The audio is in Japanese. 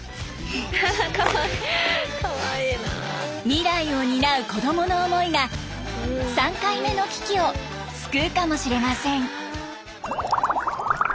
未来を担う子供の思いが３回目の危機を救うかもしれません。